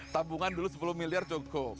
tabungan dulu sepuluh miliar cukup